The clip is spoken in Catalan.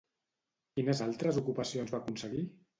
Quines altres ocupacions va aconseguir?